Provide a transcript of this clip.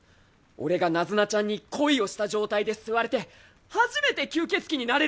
俺がナズナちゃんに恋をした状態で吸われて初めて吸血鬼になれるんだよ！